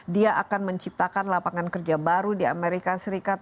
dia akan menciptakan lapangan kerja baru di amerika serikat